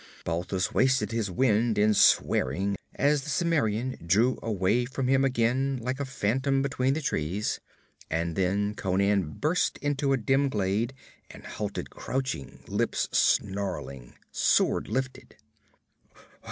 Balthus wasted his wind in swearing as the Cimmerian drew away from him again, like a phantom between the trees, and then Conan burst into a dim glade and halted crouching, lips snarling, sword lifted.